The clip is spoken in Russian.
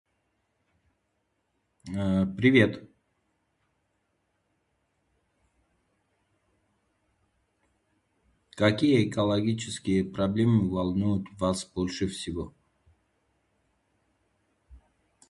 "привет! ""Какие экологические проблемы волнуют вас больше всего""?"